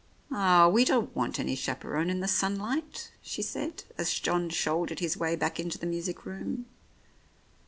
"Ah, we don't want any chaperon in the sun light," she said, as John shouldered his way back into the music room.